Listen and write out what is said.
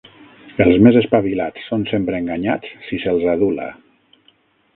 Els més espavilats són sempre enganyats si se'ls adula;